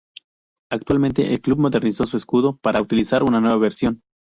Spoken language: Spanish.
Actualmente, el club modernizó su escudo, pasando a utilizar una nueva versión.